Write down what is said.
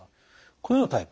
このようなタイプ。